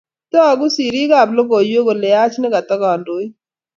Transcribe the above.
tagu piik sirik ab logoiywek kole yaach ne kata kandoik